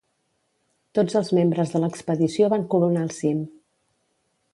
Tots els membres de l'expedició van coronar el cim.